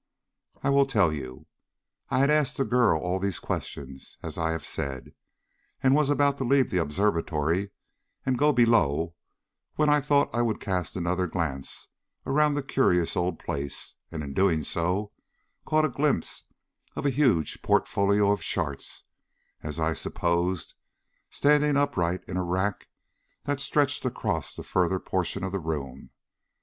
"I will tell you. I had asked the girl all these questions, as I have said, and was about to leave the observatory and go below when I thought I would cast another glance around the curious old place, and in doing so caught a glimpse of a huge portfolio of charts, as I supposed, standing upright in a rack that stretched across the further portion of the room.